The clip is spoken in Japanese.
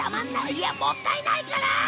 いやもったいないから！